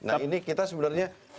nah ini kita sebenarnya